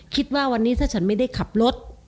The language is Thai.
คิดว่าวันนี้ถ้าฉันไม่ได้ขับรถ